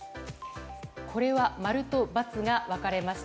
これは、〇と×が分かれました。